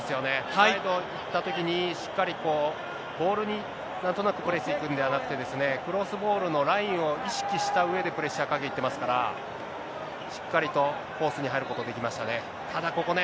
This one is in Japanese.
サイド、行ったときにしっかりこう、ボールになんとなく取りに行くんではなくて、クロスボールのラインを意識したうえでプレッシャーをかけてますから、しっかりとコースに入ることできましたね。